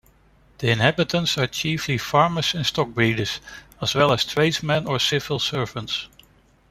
The inhabitants are chiefly farmers and stockbreeders as well as tradesmen or civil servants.